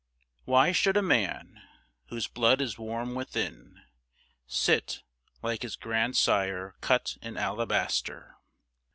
Why should a man, whose blood is warm within, Sit like his grandsire cut in alabaster?